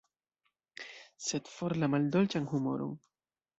Sed for la maldolĉan humuron!